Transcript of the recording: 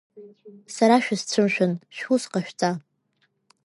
Сара шәысцәымшәан, шәус ҟашәҵа!